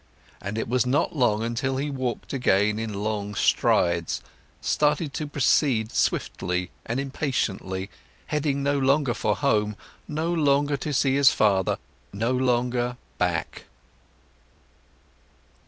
And it was not long until he walked again in long strides, started to proceed swiftly and impatiently, heading no longer for home, no longer to his father, no longer back.